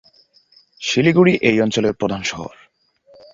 শিলিগুড়ি এই অঞ্চলের প্রধান শহর।